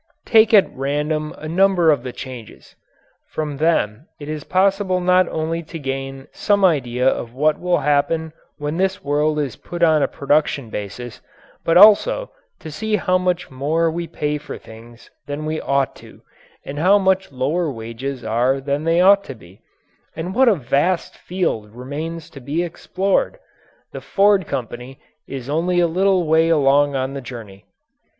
Take at random a number of the changes. From them it is possible not only to gain some idea of what will happen when this world is put on a production basis, but also to see how much more we pay for things than we ought to, and how much lower wages are than they ought to be, and what a vast field remains to be explored. The Ford Company is only a little way along on the journey.